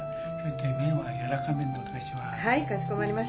麺はやわらか麺でお願いします。